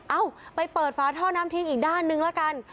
เอ้าไปเปิดฝาท่อน้ำทิ้งอีกด้านนึงละกัน